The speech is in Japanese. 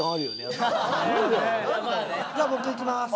じゃあ僕いきます。